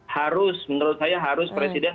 harus menurut saya harus presiden